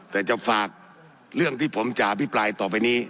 แต่จะฝากเรื่องที่ผมจะอภิปรายต่อไปนี้